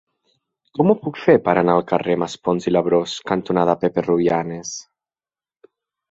Com ho puc fer per anar al carrer Maspons i Labrós cantonada Pepe Rubianes?